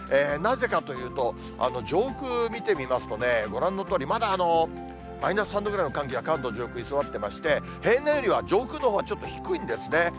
なぜかというと、上空見てみますとね、ご覧のとおり、まだマイナス３度くらいの寒気が関東上空に居座ってまして、平年よりは上空のほうはちょっと低いんですね。